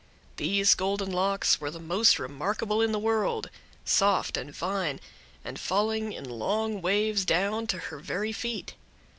These golden locks were the most remarkable in the world, soft and fine, and falling in long waves down to her very feet.